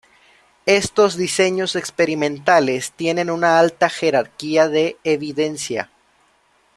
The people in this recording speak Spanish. Estos diseños experimentales tienen una alta jerarquía de evidencia.